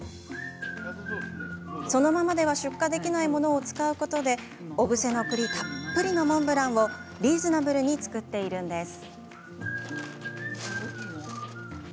そのままでは出荷できないものを使うことで小布施の栗たっぷりのモンブランをリーズナブルに作っているんです。